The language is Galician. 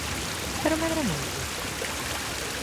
Pero medra moito?